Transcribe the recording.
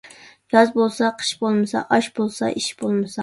ياز بولسا قىش بولمىسا، ئاش بولسا ئىش بولمىسا.